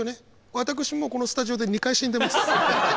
私もこのスタジオで２回死んでます。